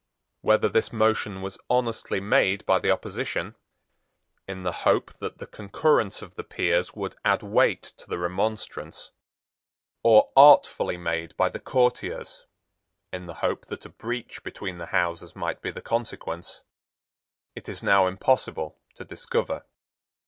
Whether this motion was honestly made by the opposition, in the hope that the concurrence of the peers would add weight to the remonstrance, or artfully made by the courtiers, in the hope that a breach between the Houses might be the consequence, it is now impossible to discover.